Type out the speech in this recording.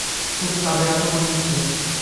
খুব চাপে আছ মনে হচ্ছে।